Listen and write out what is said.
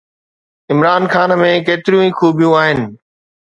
عمران خان ۾ ڪيتريون ئي خوبيون آهن.